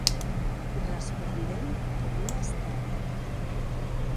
Resplendent com una estela.